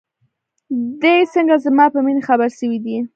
دى څنگه زما په مينې خبر سوى دى.